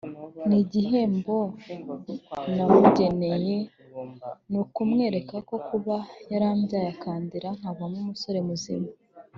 « Ni igihembo namugeneye ni ukumwereka ko kuba yarambyaye akandera nkavamo umusore muzima